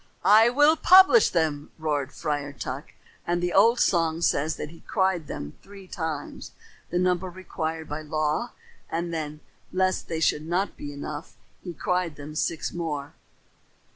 "I will publish them," roared Friar Tuck; and the old song says that he cried them three times, the number required by law, and then, lest that should not be enough, he cried them six times more.